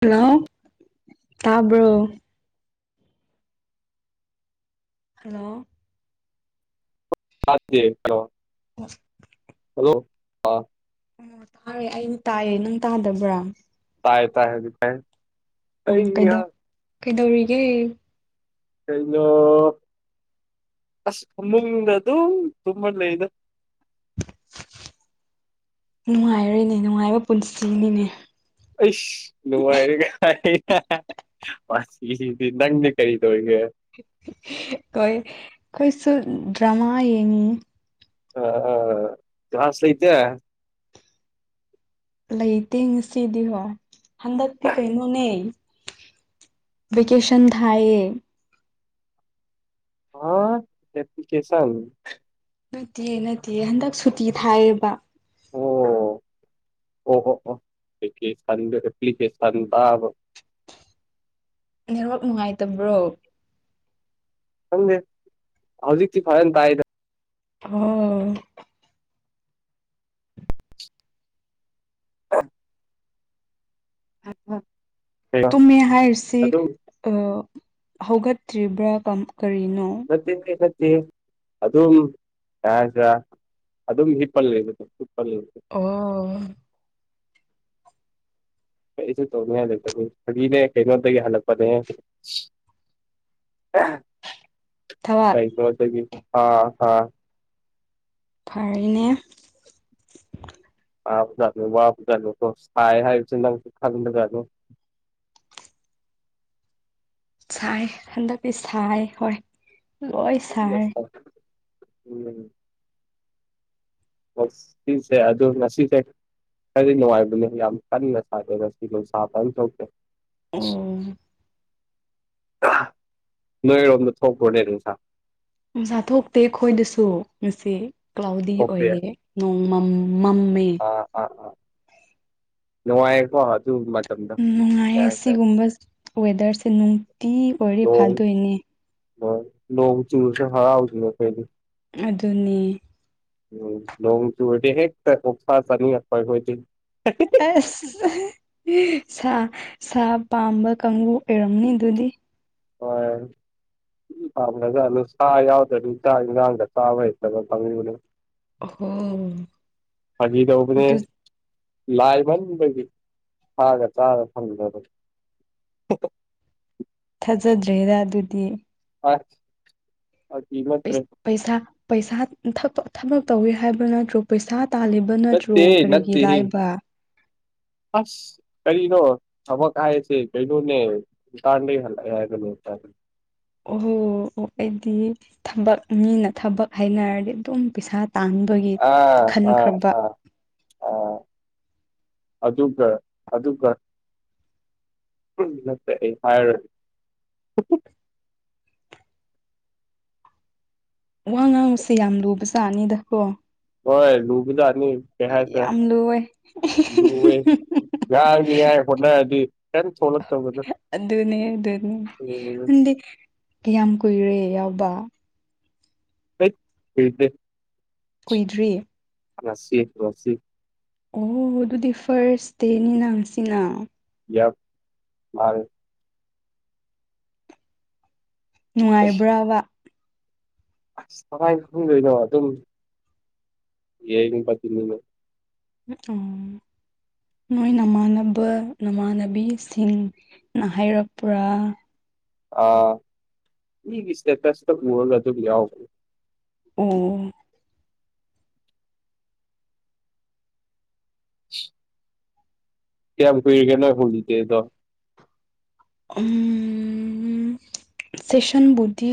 hello ꯇꯥꯕ꯭ꯔꯣ hello ꯑꯗꯦꯣ ꯑꯁ ꯍꯜꯂꯣ ꯑ ꯑꯣ ꯇꯥꯔꯦ ꯑꯩ ꯇꯥꯏꯌꯦ ꯅꯪ ꯇꯥꯗꯕ꯭ꯔꯥ ꯥꯏ ꯀ ꯎꯝ ꯀꯩꯗꯧ ꯀꯩꯗꯧꯔꯤꯒꯦ ꯀꯩꯅꯣ ꯑꯁ ꯏꯃꯨꯡꯗ ꯑꯗꯨꯝ ꯊꯨꯝꯃ ꯂꯩꯗ [inaudible] ꯅꯨꯡꯉꯥꯏꯔꯣꯏꯅꯦ ꯅꯨꯡꯉꯥꯏꯕ ꯄꯨꯟꯁꯤꯅꯤꯅꯦ ꯑꯩꯁ ꯅꯨꯡꯉꯥꯏꯔꯦꯒ ꯃꯥꯁꯤꯗꯤ ꯅꯪꯗꯤ ꯀꯔꯤ ꯇꯧꯋ ꯑꯩꯣꯏ ꯑꯩꯈꯣꯏꯁꯨ ꯗ꯭ꯔꯃꯥ ꯌꯦꯡꯉꯤ ꯑ ꯥꯁ ꯂꯩꯇ ꯂꯩꯇꯦ ꯉꯁꯤꯗꯤ ꯍꯣ ꯍꯟꯗꯛꯇꯤ ꯀꯩꯅꯣꯅꯦ ꯦꯀꯦꯁꯟ ꯊꯑꯌꯦ ꯑ ꯑꯦꯄꯂꯤꯀꯦꯁꯟ ꯅꯠꯇꯦ ꯅꯠꯇꯦ ꯍꯟꯗꯛ ꯁꯨꯇꯤ ꯊꯥꯏꯌꯦꯕ ꯑꯣ ꯑꯣ ꯑꯣ ꯑꯣꯦ ꯑꯦꯄ꯭ꯂꯤꯀꯦꯁꯟ ꯅꯦꯠꯋꯥꯛ ꯅꯨꯡꯉꯥꯏꯇꯕ꯭ꯔꯣ ꯈꯪꯗꯦ ꯍꯧꯖꯤꯛꯇꯤ ꯐꯔꯅ ꯇꯥꯏꯗ ꯑꯣ ꯑ ꯍ ꯇꯨꯝꯃꯦ ꯍꯥꯏꯔꯤꯁꯤ ꯍꯧꯒꯠꯇ꯭ꯔꯤꯕ꯭ꯔꯥ ꯀꯔꯤꯅꯣ ꯅꯠꯇꯦ ꯅꯠꯇꯦ ꯑꯗꯨꯝ ꯌꯥꯁꯤꯔ ꯑꯗꯨꯝ ꯍꯤꯞꯄꯜꯂꯕꯗ ꯑꯣ ꯑꯩ ꯑꯩꯁꯨ ꯇꯧꯅꯤꯡꯉꯥꯏ ꯂꯩꯇꯅꯤ ꯐꯒꯤꯅꯦ ꯀꯩꯅꯣꯗꯒꯤ ꯍꯜꯂꯛꯄꯅꯦ ꯊꯕꯛ ꯀ ꯀ ꯆ ꯍꯥ ꯍꯥ ꯐꯔꯤꯅꯦ ꯍꯥꯐꯨ ꯋꯥꯐꯣ ꯍꯥꯏ ꯍꯥꯏ ꯆ ꯅꯪ ꯈꯗ ꯀꯨ [inaudible] ꯆꯥꯏ ꯊꯥꯟꯗ ꯄꯤ ꯁꯥꯏ ꯍ ꯂꯣꯏ ꯆꯥꯏ ꯎꯝ ꯃꯁꯤꯁꯦ ꯑꯗꯨ ꯉꯁꯤꯖꯦ ꯀꯔꯤ ꯅꯨꯡꯉꯥꯏꯕꯅꯦ ꯌꯥꯝ ꯀꯟꯅ ꯁꯥꯒꯦꯁꯤꯗꯣ ꯁꯥꯕ ꯊꯣꯛꯀꯦ [inaudible] ꯎꯝ ꯅꯣꯏꯔꯣꯝꯗ ꯊꯣꯛꯣꯛꯈ꯭ꯔꯣꯅꯦ ꯑꯗꯨ ꯁꯥ ꯎꯁꯥ ꯊꯣꯛꯇꯦ ꯑꯩꯈꯣꯏꯗꯁꯨ ꯉꯁꯤ ꯀ꯭ꯂꯥꯎꯗꯤ ꯊꯣꯛꯇꯦ ꯑꯣꯏꯌꯦ ꯅꯣꯡꯃꯝ ꯃꯝꯃꯦ ꯅꯅꯨꯡꯉꯀ ꯑꯗꯨ ꯃ ꯅꯨꯡꯉꯥꯏꯌꯦ ꯁꯤꯒꯨꯝꯕ ꯋꯦꯗꯔꯁꯦ ꯅꯨꯡꯇꯤ ꯑꯣꯏꯔꯦ ꯐꯥꯗꯣꯏꯅꯦ ꯂ ꯆꯨꯁ ꯍꯥꯔꯥꯎꯖꯕ ꯄꯦ ꯑꯗꯨꯅꯤ ꯂꯣꯡ ꯆ ꯍꯦ ꯐꯔꯅꯤ ꯑ ꯁꯥ ꯁꯥ ꯄꯥꯝꯕ ꯀꯥꯡꯕꯨ ꯑꯣꯏꯔꯝꯅꯤ ꯑꯗꯨꯗꯤ ꯍꯣꯏ ꯎ ꯐꯥꯝꯖꯥ ꯑꯗꯨꯨ ꯆ ꯌꯥꯎꯗꯗꯤꯗꯥ ꯉꯥꯡꯗ ꯆꯥꯕꯕ ꯐꯪꯅꯦ ꯍꯝ ꯑꯖꯤ ꯇꯧꯕꯅꯦ ꯂꯥꯏꯃꯟꯗꯒꯤ ꯊꯥꯒ ꯆꯥꯔ ꯐꯪꯖꯕꯅꯤ ꯍ ꯊꯥꯖꯗ꯭ꯔꯦꯗ ꯑꯗꯨꯗꯤ ꯑꯒ ꯇ꯭ꯔ ꯄꯩꯁꯥ ꯄꯩꯁꯥ ꯊꯕꯛ ꯇꯧꯋꯤ ꯍꯥꯏꯕ ꯅꯠꯇ꯭ꯔꯣ ꯄꯩꯁꯥ ꯇꯥꯜꯂꯤꯕ ꯅꯠꯇ꯭ꯔꯣ ꯅꯠꯇ ꯀꯔꯤꯒꯤ ꯅꯠꯇ ꯂꯥꯏꯕ ꯑꯁ ꯀꯔꯤꯅꯣ ꯊꯕꯀ ꯍꯥꯏꯥꯏꯁꯤ ꯀꯩꯅꯩꯅꯣꯅꯦ ꯀꯥꯥꯟ ꯂ ꯍꯂꯒ ꯑꯣꯍꯣ ꯑꯣ ꯑꯩꯗꯤ ꯊꯕꯛ ꯃꯤꯅ ꯊꯕꯛ ꯍꯥꯏꯅꯔꯗꯤ ꯑꯗꯨꯝ ꯄꯩꯁꯥ ꯇꯥꯟꯕꯒꯤ ꯑ ꯑ ꯈꯟꯈ꯭ꯔꯕ ꯑ ꯑ ꯑꯗꯨꯒ ꯑꯗꯨꯒ ꯐꯔ ꯋꯥ ꯉꯥꯡꯉꯨꯁꯦ ꯌꯥꯝ ꯂꯨꯕꯖꯥꯅꯤꯗ ꯀꯣ ꯍꯣꯏ ꯂꯕꯗꯅꯤ ꯀꯦꯍꯁ ꯌꯥꯝ ꯂꯨꯋꯦ ꯂꯦ ꯌꯥꯏꯅꯤ ꯌꯥꯏ ꯍꯣꯠꯅꯔꯗꯤ ꯀꯦꯟ ꯁꯣꯂ ꯇꯧꯗ ꯑꯗꯨꯅꯦ ꯑꯗꯨꯅꯦ ꯑꯗꯨꯗꯤ ꯌꯥꯝ ꯀꯨꯏꯔꯦ ꯌꯥꯎꯕ [unintelligible] ꯀꯨꯏꯗ꯭ꯔꯤ ꯔꯁꯤꯐ ꯔꯁꯤꯐ ꯑꯣ ꯑꯗꯨꯗꯤ ꯐꯥꯔꯁ ꯗꯦꯅꯤꯅ ꯁꯤꯅ ꯌꯥ ꯃꯥꯔ ꯅꯨꯡꯉꯥꯏꯕ꯭ꯔꯕ ꯑꯁ ꯀꯃꯥꯏꯅ ꯈꯪꯗꯣꯏꯅꯣ ꯑꯗꯨꯝ ꯌꯦꯏꯅꯤꯡ ꯄ ꯇꯤꯟꯅꯤꯅ ꯎꯝ ꯅꯣꯏ ꯅꯃꯥꯟꯅꯕ ꯅꯃꯥꯟꯅꯕꯤꯁꯤꯡꯅ ꯍꯥꯏꯔꯛꯄ꯭ꯔꯥ ꯑ ꯃꯤꯒꯤ ꯏꯁꯇꯦꯇꯁꯇ ꯎꯔꯒ ꯑꯗꯨꯝ ꯌꯥꯎꯕꯅꯤ ꯑꯣ [unintelligible] ꯀꯌꯥꯝ ꯀꯔꯤ ꯀꯦ ꯅ ꯐꯇꯗꯣ ꯁꯦꯁꯟ ꯕꯨꯗꯤ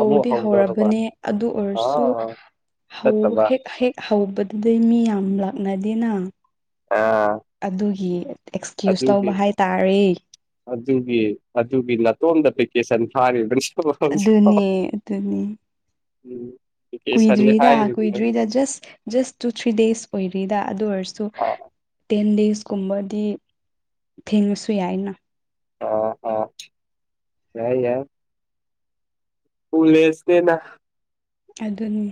ꯑꯃꯨꯛ ꯍꯧꯗꯧꯔꯕ ꯍꯧꯔꯕꯅꯦ ꯑꯗꯨ ꯑꯣꯏꯔꯁꯨ ꯑꯥ ꯆꯠꯇꯕ ꯍꯦꯛ ꯍꯦꯛ ꯍꯥꯎ ꯑꯗꯨꯗꯩ ꯃꯤ ꯌꯥꯝ ꯂꯥꯛꯅꯗꯦꯅ ꯑꯥ ꯑꯗꯨꯒꯤ ꯑꯦꯛꯁꯀ꯭ꯌꯨꯁ ꯑꯗꯨꯒꯤ ꯂꯧꯕ ꯍꯥꯏꯇꯥꯔꯦ ꯑꯗꯨꯒꯤ ꯑꯗꯨꯒꯤ ꯅꯥꯇꯣꯟꯗ ꯄꯤ ꯀ ꯁꯟ ꯊ ꯑꯗꯨꯅꯦ ꯑꯗꯨꯅꯦ ꯎꯝ ꯚꯦꯀꯦꯁꯟꯅꯦ ꯀꯨꯏꯗ꯭ꯔꯤꯗ ꯍꯥꯏꯔꯤꯕꯅꯦ ꯀꯨꯏꯗ꯭ꯔꯤꯗ just just two three days ꯑꯣꯏꯗ꯭ꯔꯤꯗ ꯑꯗꯨ ꯑꯣꯏꯔꯁꯨ ꯑꯥ ꯇꯦꯟ ꯗꯦꯖꯀꯨꯝꯕꯗꯤ ꯊꯦꯡꯉꯁꯨ ꯌꯥꯏꯅ ꯑ ꯑ ꯍ ꯌꯥ ꯎꯨ ꯂꯦꯁ ꯀꯦꯅꯥ ꯑꯗꯨꯅꯤ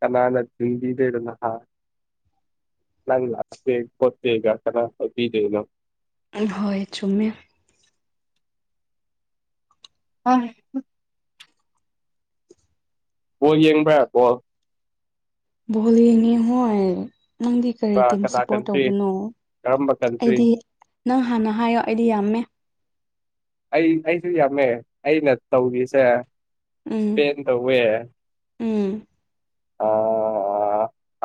ꯀꯅꯥꯅ ꯊꯤꯡꯕꯤꯗꯣꯏꯕ ꯍꯥꯥ ꯅꯪ ꯄꯠꯇꯦꯒ ꯆꯅꯥꯗꯦꯅ ꯍꯣꯏ ꯆꯨꯝꯃꯦ ꯑ ꯕꯣꯜ ꯌꯦꯡꯕ꯭ꯔꯥ ꯕꯣꯜ ꯕꯣꯜ ꯌꯦꯪꯏ ꯃꯣꯏ ꯅꯪꯗꯤ ꯀꯔꯤ ꯀꯅꯥ ꯇꯤꯝ ꯀꯅꯥ ꯁꯞꯄꯣꯔꯠ ꯀꯟꯇ꯭ꯔꯤ ꯇꯧꯕꯅꯣ ꯀꯔꯝꯕ ꯀꯟꯇ꯭ꯔꯤ ꯑꯩꯗꯤ ꯅꯪ ꯍꯥꯟꯅ ꯍꯥꯏꯌꯣ ꯑꯩꯗꯤ ꯌꯥꯝꯃꯦ ꯑꯩ ꯑꯩꯁꯨ ꯌꯥꯝꯃꯦ ꯑꯩꯅ ꯇꯧꯔꯤꯁꯦ ꯎꯝ ꯏꯁꯄꯦ ꯎꯝ ꯑ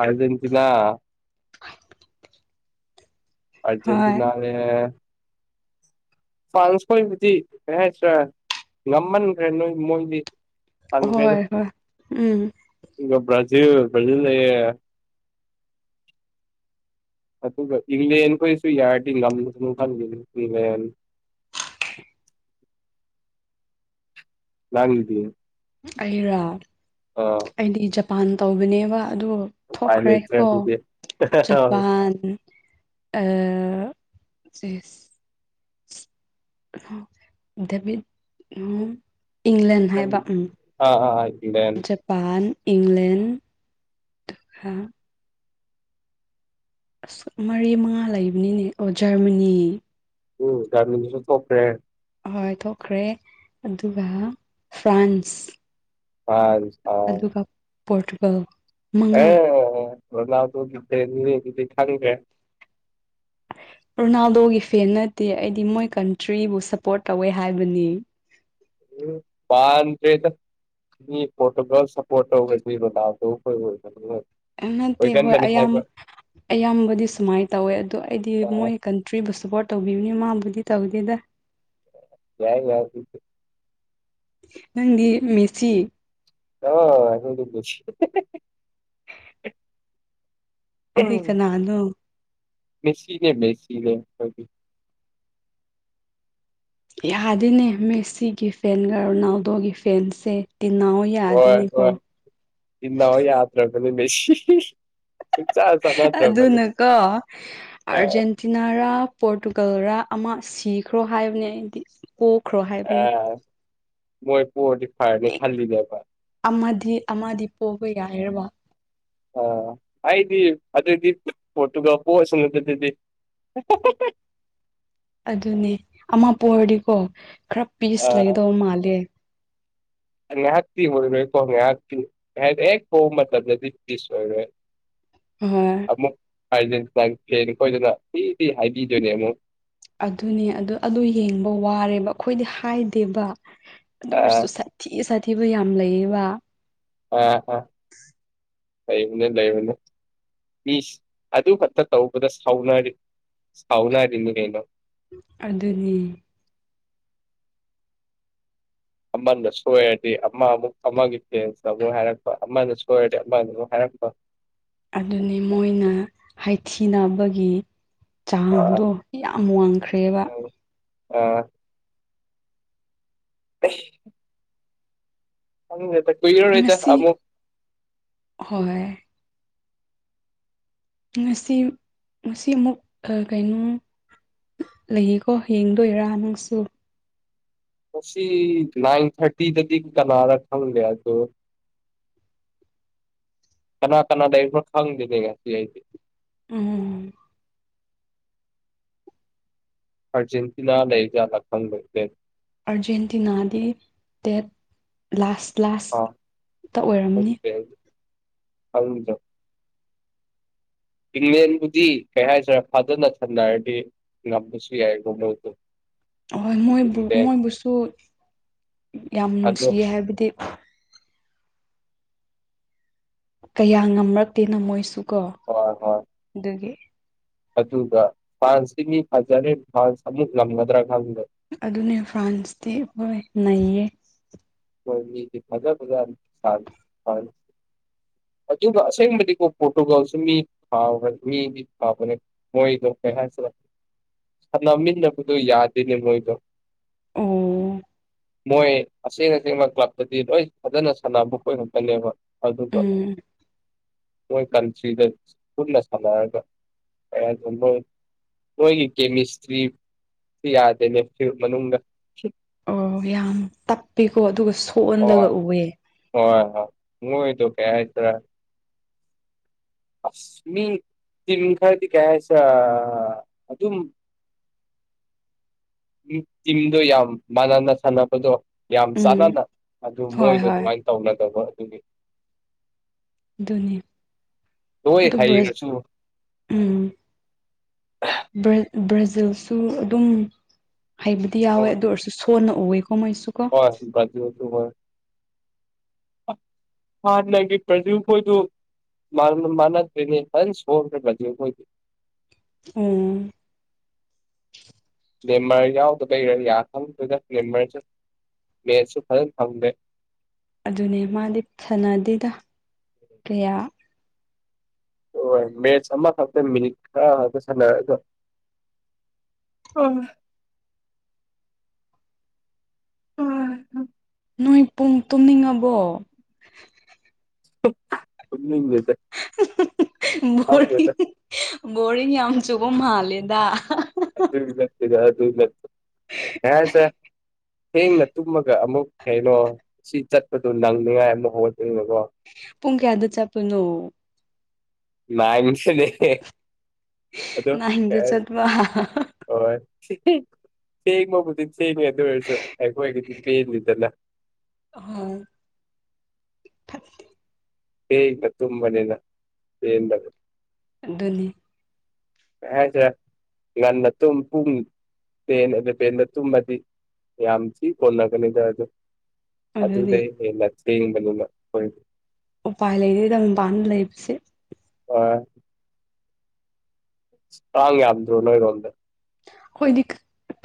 ꯑꯔꯖꯦꯟꯇꯤꯅꯥ ꯍꯣꯏ ꯑꯔꯖꯦꯟꯇꯤꯅꯥꯅꯦ ꯐꯥꯟꯁ ꯈꯣꯏꯕꯨꯗꯤ ꯀꯩ ꯍꯥꯏꯇ꯭ꯔꯦ ꯉꯝꯃꯟꯈ꯭ꯔꯦ ꯅꯣꯏ ꯃꯣꯏꯗꯤ ꯐ ꯍꯣꯏ ꯍꯣꯏ ꯎꯝ ꯀꯗꯕ꯭ꯔꯥ ꯖꯤꯖ ꯂꯩ ꯇ ꯏꯪ꯭ꯂꯦꯟ ꯀꯣꯏꯁꯨ ꯌꯥꯔꯗꯤ ꯊ ꯈ ꯏꯪ꯭ꯂ [unintelligible] [inaudible] ꯂꯥꯡꯗꯅꯦ ꯑꯩꯔꯥ ꯑꯩꯗꯤ ꯖꯄꯥꯟ ꯇꯧꯕꯅꯦꯕ ꯑꯗꯨ ꯎꯄꯥꯏ ꯊꯣꯛꯈ꯭ꯔꯦ ꯂꯩꯇ꯭ꯔꯦ ꯀꯣ ꯑꯗꯨꯗꯤ ꯖꯄꯥꯟ ꯑ ꯆꯁ ꯕꯤ ꯑ [unintelligible] [inaudible] ꯏꯪꯂꯦꯟ ꯍꯥꯏꯕ ꯎꯝ ꯑꯥ ꯑꯥ ꯏꯪꯂꯦꯟ ꯖꯄꯥꯟ ꯏꯪꯂꯦꯟ ꯀꯥ ꯑꯁ ꯃꯔꯤ ꯃꯉꯥ ꯂꯩꯕꯅꯤꯅꯦ ꯑꯣ ꯖꯔꯃꯅꯤ ꯎꯝ ꯀꯅꯗꯨꯁꯨ ꯊꯣꯛꯣꯄꯔꯦ ꯍꯣꯏ ꯊꯣꯛꯈ꯭ꯔꯦ ꯑꯗꯨꯒ ꯐ꯭ꯔꯥꯟꯁ ꯐ ꯍꯥꯎ ꯑꯗꯨꯒ ꯄꯣꯔꯇꯨꯒꯜ ꯃꯉꯥ ꯑꯥ ꯔꯣꯅꯥꯜꯗꯣꯒꯤ ꯐꯤꯟ ꯅꯤ ꯑꯗꯨꯗꯤ ꯀꯨꯪꯗꯔ꯭ꯦ ꯍ [unintelligible] [inaudible] ꯔꯣꯅꯥꯜꯗꯣꯒꯤ ꯐꯦꯟ ꯅꯠꯇꯦ ꯑꯩꯗꯤ ꯃꯣꯏ ꯀꯟꯇ꯭ꯔꯤꯕꯨ ꯁꯞꯄꯣꯔꯠ ꯇꯧꯋꯦ ꯍꯥꯏꯕꯅꯤ ꯄꯇ꯭ꯔꯦꯗ ꯐꯣꯇꯣꯒ꯭ꯔꯥꯐ ꯁꯄꯣꯇꯣ ꯑꯣꯏꯒꯕꯕꯗ ꯀꯣꯏ ꯑꯣꯏ ꯅꯠꯇꯦ ꯍꯣꯏ ꯌꯥꯝꯌꯥꯝ ꯑꯌꯥꯝꯕꯗꯤ ꯁꯨꯃꯥꯏꯅ ꯇꯧꯋꯦ ꯑꯗꯣ ꯑꯩꯗꯤ ꯑꯥ ꯃꯣꯏ ꯀꯟꯇ꯭ꯔꯤꯕꯨ ꯁꯄꯣꯔꯠ ꯇꯧꯕꯤ ꯅꯦ ꯃꯥꯕꯨꯗꯤ ꯇꯧꯗꯦꯗ ꯌꯥꯏ ꯌꯥꯏ ꯅꯪꯗꯤ ꯃꯦꯁꯤ ꯑ ꯑꯨꯝꯁꯤ [inaudible] ꯑꯗꯨꯗꯤ ꯀꯅꯥꯅꯣ ꯃꯁꯤꯅꯦ ꯃꯁꯤꯅꯦ ꯌꯥꯗꯤꯅꯦ ꯃꯦꯁꯤꯒꯤ ꯐꯦꯟꯒ ꯔꯣꯅꯥꯜꯗꯣꯒꯤ ꯐꯦꯟꯁꯦ ꯇꯤꯟꯅꯧ ꯍ ꯌꯥꯗꯦꯅꯦꯀꯣ ꯍ ꯏ ꯍ ꯌꯥꯇ ꯀꯅꯤꯁꯤ ꯑꯗꯨꯅꯀꯣ ꯑꯥ ꯑꯔꯖꯦꯟꯇꯤꯅꯥꯔꯥ ꯄꯣꯔꯇꯨꯒꯜꯔ ꯑꯃ ꯁꯤꯈ꯭ꯔꯣ ꯍꯥꯏꯕꯅꯤ ꯑꯩꯗꯤ ꯀꯣꯛꯈ꯭ꯔꯣ ꯍꯥꯏꯕꯅꯤ ꯑꯥ ꯃꯣꯏ ꯄꯍꯇ ꯐꯔꯗꯦ ꯈꯜꯗꯤꯗꯦ ꯄ ꯐ ꯑꯃꯗꯤ ꯄꯣꯛꯕ ꯌꯥꯏꯔꯕ ꯑ ꯑꯩꯗꯤ ꯑꯗꯨꯑꯣꯏꯗꯤ ꯄꯣꯠꯇꯨꯒ ꯄꯣꯛꯑꯁꯅ ꯑꯗꯨ ꯑꯗꯨꯗꯤ [inaudible] ꯑꯗꯨꯅꯦ ꯑꯃ ꯄꯔꯗꯤꯀꯣ ꯈꯔ ꯄꯤꯁ ꯂꯩꯗꯧꯕ ꯃꯥꯜꯂꯦ ꯑ ꯉ ꯍꯥꯥꯛ ꯑꯣꯏꯣꯏꯔꯣꯏ ꯀꯣ ꯉ ꯍꯥ ꯑꯦ ꯀꯣ ꯃ ꯇꯤꯁ ꯑꯣꯏꯣꯏꯔꯣꯏ ꯍ ꯑꯥꯔꯖꯦꯟꯇꯤꯟ ꯄ꯭ꯂꯦꯟ ꯑꯩꯈꯣꯏꯗꯅ ꯏꯗꯤ ꯍꯥꯏꯕꯤꯗꯣꯏꯅꯦ ꯑꯃꯨꯛ ꯑꯗꯨꯅꯦ ꯑꯗꯨ ꯑꯗꯨ ꯌꯦꯡꯕ ꯋꯥꯔꯦꯕ ꯑꯩꯈꯣꯏꯗꯤ ꯍꯥꯏꯗꯦꯕ ꯑꯗꯨ ꯑ ꯑꯣꯏꯔꯁꯨ ꯁꯥꯊꯤ ꯁꯥꯊꯤꯕꯨ ꯌꯥꯝ ꯂꯩꯌꯦꯕ ꯂꯩꯩꯅꯦ ꯂꯩꯩꯅꯦ ꯃꯤ ꯑꯗꯨ ꯈꯛꯇ ꯇꯧꯕꯗ ꯁꯥꯎꯅꯔꯤ ꯁꯥꯎꯅꯔꯤꯅꯤ ꯀꯩꯅꯣ ꯑꯗꯨꯅꯤ ꯑꯃꯅ ꯁꯣꯏꯔꯗꯤ ꯑꯃ ꯑꯃꯨꯛ ꯑꯃꯒꯤ ꯐꯦꯟꯁ ꯑꯃꯨꯛ ꯍꯥꯏꯔꯛꯄ ꯑꯃꯅ ꯁꯣꯏꯔꯗꯤ ꯑꯃꯅ ꯑꯃꯨꯛ ꯍꯥꯏꯔꯛꯄ [inaudible] ꯑꯗꯨꯅꯤ ꯃꯣꯏꯅ ꯍꯥꯏꯊꯤꯅꯕꯒꯤ ꯑ ꯆꯥꯡꯗꯣ ꯌꯥꯝ ꯋꯥꯡꯈ꯭ꯔꯦꯕ ꯑ [inaudible] ꯀꯤꯔꯔꯇ ꯉꯁꯤ ꯑꯃꯃꯨ ꯍꯣꯏ ꯉꯁꯤ ꯉꯁꯤ ꯑꯃꯨꯛ ꯀꯩꯅꯣ ꯂꯩꯌꯦꯀꯣ ꯌꯦꯡꯗꯣꯏꯔꯥ ꯅꯪꯁꯨ ꯉ ꯅꯥꯏꯟ ꯊꯥꯔꯇꯤꯗꯗꯤ ꯀꯅꯥꯔ ꯈꯪꯒꯦ ꯑꯗꯣ ꯀꯅꯥ ꯀꯅꯥꯗ ꯑꯩꯁꯨ ꯈꯪꯗꯦꯗ ꯉꯁꯤ ꯑꯩꯗꯤ ꯎꯝ ꯑꯔꯖꯦꯟꯇꯤꯅꯥ ꯂꯩ ꯂꯩꯖ ꯂ ꯐꯪꯦ ꯑꯔꯖꯦꯟꯇꯤꯅꯥꯗꯤ ꯇꯦꯠ ꯂꯥꯁ ꯑꯥ ꯀ꯭ꯂꯥꯁꯇ ꯑꯣꯏꯔꯝꯅꯤ ꯑꯖ ꯏꯪꯂꯦꯟꯕꯨꯗꯤ ꯀꯩ ꯍꯥꯏꯁꯤꯔꯦ ꯐꯥꯖꯅ ꯊꯟꯅꯔꯗꯤ ꯉꯝꯕꯁꯨ ꯌꯥꯏ ꯅꯣꯕꯩꯗꯣ ꯍꯣꯏ ꯃꯣꯏꯕꯨ ꯃꯣꯏꯕꯨꯁꯨ ꯌꯥꯝ ꯑꯗꯣ ꯅꯨꯡꯁꯤꯌꯦ ꯍꯥꯏꯕꯗꯤ ꯀꯌꯥ ꯉꯝꯔꯛꯇꯦꯅ ꯃꯣꯏꯁꯨ ꯀꯣ ꯍꯣꯏ ꯍꯣꯏ ꯑꯗꯨꯒꯤ ꯑꯗꯨꯒ ꯐ꯭ꯔꯥꯟꯁꯁꯤꯒꯤ ꯐꯖꯔꯦ ꯐ꯭ꯔꯥꯟꯁ ꯑꯃꯨꯛ ꯂꯒꯗ꯭ꯔꯥ ꯈꯪꯗ ꯑꯗꯨꯅꯦ ꯐ꯭ꯔꯥꯟꯁꯇꯤ ꯍꯣꯏ ꯅꯩꯌꯦ ꯐꯖꯖ ꯐ ꯐ [inaudible] ꯑꯗꯨꯒ ꯑꯁꯦꯡꯕꯗꯤꯀꯣ ꯄꯣꯔꯇꯨꯒꯥꯜꯁꯨ ꯃꯤꯕ ꯃꯤꯗꯤ ꯐꯥꯕꯅꯦ ꯃꯣꯏꯗꯣ ꯀꯩ ꯍꯥꯏ [inaudible] ꯁꯥꯟꯅꯃꯤꯟꯅꯕꯗꯨꯣ ꯌꯥꯗꯦꯅꯦ ꯃꯣꯏꯗꯣ ꯑꯣ ꯃꯣꯏ ꯑꯁ ꯉ ꯇꯁꯦꯡꯃꯛ ꯀ꯭ꯂꯕꯇꯗꯤ ꯂꯣꯏ ꯐꯖꯅ ꯁꯥꯟꯅꯕ ꯑꯣꯏꯔꯛꯀꯅꯦꯕ ꯑꯗꯨꯒ ꯎꯝ ꯣꯏ ꯀꯟꯁꯤꯗꯅ ꯁꯔ ꯊ ꯃꯣꯏꯒꯤ ꯀꯦꯃꯤꯁꯇ꯭ꯔꯤ ꯌꯥꯗꯦꯅꯦ ꯃꯅꯨꯡꯗ ꯑꯣ ꯌꯥꯝ ꯇꯞꯄꯤꯀꯣ ꯑꯗꯨꯒ ꯍ ꯁꯣꯛꯍꯜꯂꯒ ꯎꯑꯦ ꯍꯣꯏ ꯍꯣꯏ ꯍꯨꯗ ꯀꯔ ꯑꯁꯃꯤ ꯇꯝꯈꯔꯗꯤ ꯀꯩꯁ ꯑꯗꯨ ꯑꯗꯨꯝ [inaudible] ꯎ ꯇꯤꯝꯗꯣ ꯌꯥꯝ ꯃꯥꯟꯅꯅ ꯁꯥꯟꯅꯕꯗꯣ ꯌꯥꯝ ꯎꯝ ꯆꯥꯟꯅꯅ ꯑꯗꯨ ꯍꯣꯏ ꯃꯣꯏꯗꯣ ꯍꯣꯏ ꯑꯗꯨꯃꯥꯏꯅ ꯇꯧꯅꯗꯕ ꯑꯗꯨꯒꯤ ꯑꯗꯨꯅꯦ ꯂꯣꯏ ꯑꯗꯨ ꯍꯩꯔꯁꯨ ꯎꯝ ꯭ꯔꯖꯤ ꯜꯁꯨ ꯑꯗꯨꯝ ꯍꯩꯕꯗꯤ ꯌꯥꯎꯋꯦ ꯍꯣꯏ ꯑꯗꯨ ꯑꯣꯏꯔꯁꯨ ꯁꯣꯟꯅ ꯎꯋꯦ ꯀꯃꯥꯏꯁꯨ ꯀꯣ ꯍꯣꯏ ꯍꯥꯟ ꯅꯪꯒꯤ ꯄ꯭ꯔꯖ ꯃꯈꯣꯏꯗꯨ ꯃꯥꯅ ꯀ ꯁꯣ ꯎꯝ ꯅꯃꯔ ꯌꯥꯑꯣ ꯌꯥ ꯊꯪ ꯅꯃꯔ ꯃꯦꯠꯁꯨ ꯐꯖꯅ ꯐꯪꯗꯦ ꯑꯗꯨꯅꯦ ꯃꯥꯗꯤ ꯁꯅꯗꯦꯗ ꯀꯌꯥ ꯍꯣꯏ ꯃꯦꯠꯁ ꯑꯃꯈꯛꯇ ꯃꯤꯅꯤꯠ ꯈꯔ ꯈꯛꯇ ꯁꯥꯟꯅꯔꯒ ꯑꯣꯥ ꯎ ꯅꯣꯏ ꯄꯨꯡ ꯇꯨꯝꯅꯤꯡꯉꯕꯣ ꯄꯨꯖ ꯔꯤꯡ ꯕꯣꯔꯤꯡ ꯌꯥꯝ ꯆꯨꯕ ꯃꯥꯜꯂꯦꯗ ꯍꯦ ꯁꯦ ꯊꯦꯡꯅ ꯇꯨꯝꯃꯒ ꯑꯃꯨꯛ ꯀꯩꯅꯣ ꯁꯤ ꯆꯠꯄꯗꯨ ꯅꯪꯅꯤꯉꯥꯏ ꯑꯃꯨꯛ ꯍꯣꯗ꯭ꯔꯤꯉꯀꯣ ꯄꯨꯡ ꯀꯌꯥꯗ ꯆ ꯄꯨꯅꯣ ꯃꯁꯤꯅꯦ ꯑꯗꯨꯣ ꯅꯥꯏꯟꯗ ꯆꯠꯄ ꯍꯣꯏ ꯊꯦꯡ ꯊꯦꯡ ꯃꯥꯕꯨꯗꯤ ꯁꯦꯡ ꯌꯦꯗ ꯑꯣꯏꯦꯁꯨ ꯍꯒꯒꯇ ꯄꯟꯗꯅ ꯑ ꯐꯠꯇꯦ ꯍꯇ ꯇꯨꯃꯅꯦꯅ ꯐꯟꯗ ꯑꯗꯨ ꯑꯗꯨꯅꯤ ꯁ ꯉꯥꯟꯠꯇ ꯄꯨꯡ ꯄꯦꯟꯟ ꯑꯗꯨ ꯄꯦꯟꯦꯟꯗ ꯇꯨꯝꯗꯤ ꯌꯥꯝꯁꯤꯤ ꯀꯅꯒꯅꯤꯗ ꯑꯗꯨ ꯑꯗꯨꯅꯤ ꯑꯗꯨꯗꯦ ꯌꯦ ꯅ ꯇꯅꯤꯅꯣꯏ ꯎꯄꯥꯏ ꯂꯩꯔꯤ ꯂꯝꯕꯥꯅ ꯂꯩꯕꯁꯦ ꯑ ꯁ꯭ꯔꯥꯡꯦ ꯌꯥꯣ ꯅꯣꯏꯔꯗ ꯑꯩꯈꯣꯏꯗꯤ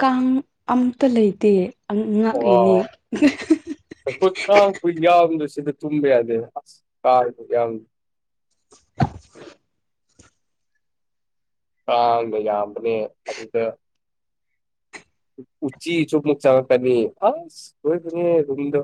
ꯀꯥꯡ ꯑꯇ ꯂꯩꯇꯦ ꯑꯣ ꯉꯥꯛꯏꯅꯤ ꯑꯩꯈꯣꯏ ꯌꯥꯎꯗ ꯁꯤꯗ ꯇꯨꯝꯕ ꯌꯥꯗꯦ ꯑꯁ ꯀꯥꯔ ꯌꯥꯎꯗ ꯇꯥꯡꯕ ꯌꯥꯝꯕꯅꯦ ꯑꯗꯨꯗ ꯎ ꯎꯆꯤ ꯆꯨꯞꯞ ꯂꯛ ꯆꯉꯛ ꯇꯅꯤ ꯑꯣꯏ ꯊꯅꯦ ꯔꯗ